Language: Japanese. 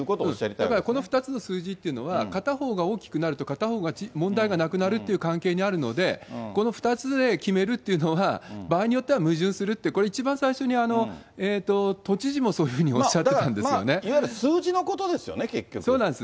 だからこの２つの数字っていうのは、片方が大きくなると、片方が問題がなくなるという関係にあるので、この２つで決めるっていうのは、場合によっては矛盾するって、これ一番最初に、都知事もそういうだからいわゆる数字のことでそうなんです。